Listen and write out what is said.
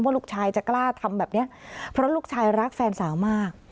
ลูกชายจะกล้าทำแบบนี้เพราะลูกชายรักแฟนสาวมาก